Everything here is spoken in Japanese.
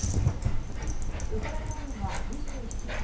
ウクライナ軍は２７日